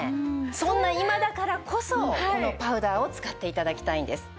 そんな今だからこそこのパウダーを使って頂きたいんです。